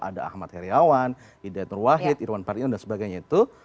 ada ahmad heriawan hidayat nur wahid irwan pardinand dan sebagainya itu